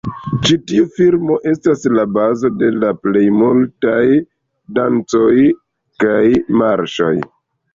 Ĉi tiu formo estas la bazo de la plej multaj dancoj kaj marŝoj.